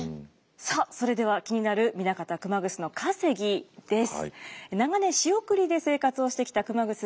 さあそれでは気になる南方熊楠の稼ぎです。